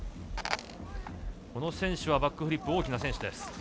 この選手は、バックフリップ大きな選手です。